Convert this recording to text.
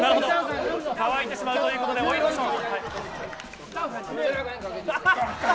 乾いてしまうということで追いローション。